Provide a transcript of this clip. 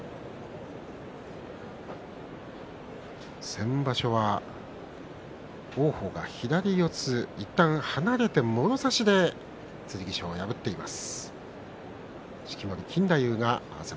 先場所は王鵬が左四つに、いったん離れてもろ差しで剣翔を破っています。